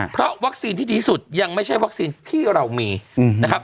เพราะวัคซีนที่ดีที่สุดยังไม่ใช่วัคซีนที่เรามีนะครับ